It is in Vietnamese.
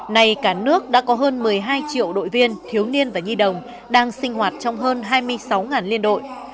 này cả nước đã có hơn một mươi hai triệu đội viên thiếu niên và nhi đồng đang sinh hoạt trong hơn hai mươi sáu liên đội